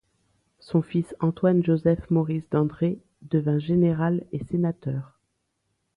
Son fils Antoine Joseph Maurice d'André devint général et sénateur.